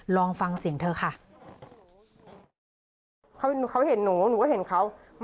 ลองฟังเสียงเธอค่ะ